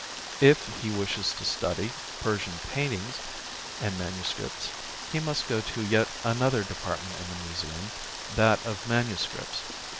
If he wishes to study Persian paintings and manuscripts, he must go to yet another department in the Museum, that of manuscripts.